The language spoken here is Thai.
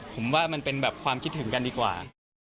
ผมว่ามันเป็นแบบความคิดถึงกันดีกว่า